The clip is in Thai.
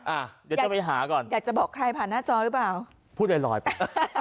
อ่ะเดี๋ยวจะไปหาก่อนอยากจะบอกใครผ่านหน้าจอหรือเปล่าพูดลอยลอยไป